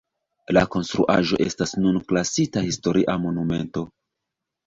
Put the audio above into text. La konstruaĵo estas nun klasita Historia Monumento.